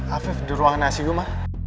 afif di ruangan icu ma